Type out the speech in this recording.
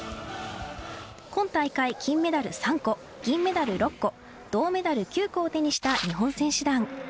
今大会、金メダル３個、銀メダル６個、銅メダル９個を手にした日本選手団。